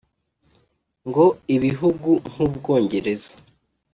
ngo ibihugu nk’U Bwongereza